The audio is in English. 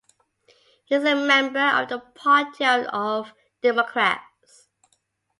He is a member of the Party of Democrats.